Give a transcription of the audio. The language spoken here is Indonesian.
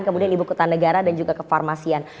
kemudian ibu kota negara dan juga kefarmasian